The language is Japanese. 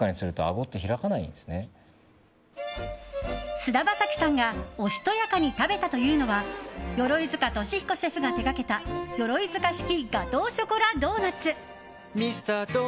菅田将暉さんがおしとやかに食べたというのは鎧塚俊彦シェフが手掛けたヨロイヅカ式ガトーショコラドーナツ。